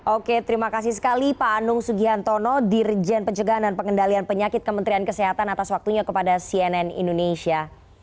oke terima kasih sekali pak anung sugihantono dirjen pencegahan dan pengendalian penyakit kementerian kesehatan atas waktunya kepada cnn indonesia